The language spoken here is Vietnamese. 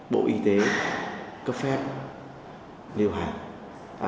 bộ y tế cấp phép lưu hành